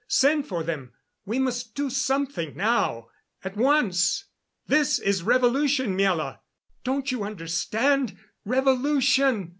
Send for them. We must do something now, at once. This is revolution, Miela don't you understand? Revolution!"